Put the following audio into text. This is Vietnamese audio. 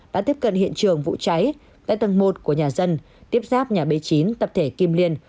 đã tiếp cận hiện trường vụ cháy tại tầng một của nhà dân tiếp giáp nhà b chín tập thể kim liên